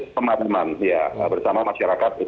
untuk pemanaman ya bersama masyarakat